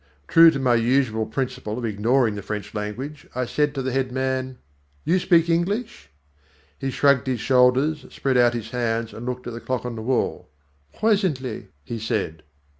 True to my usual principle of ignoring the French language, I said to the head man: "You speak English?" He shrugged his shoulders, spread out his hands and looked at the clock on the wall. "Presently," he said.